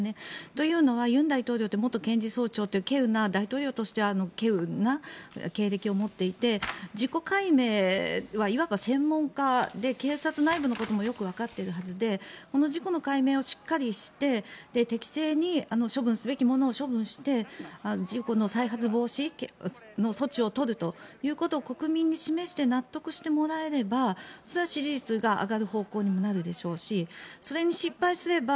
というのは尹大統領って元検事総長という大統領としては稀有な経歴を持っていて事故解明はいわば専門家で警察内部のこともよくわかっているはずでこの事故の解明をしっかりして適正に処分すべきものを処分して事故の再発防止の措置を取るということで国民に示して納得してもらえればそれは支持率が上がる方向になるでしょうしそれに失敗すれば